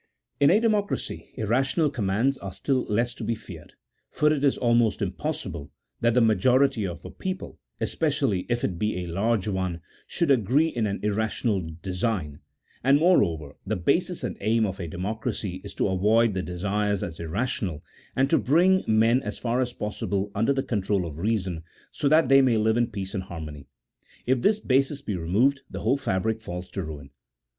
In a democracy, irrational commands are still less to be feared: for it is almost impossible that the majority of a j^eople, especially if it be a large one, should agree in an irrational design : and, moreover, the basis and aim of a democracy is to avoid the desires as irrational, and to bring men as far as possible under the control of reason, so that they may live in peace and harmony: if this basis be removed the whole fabric falls to ruin.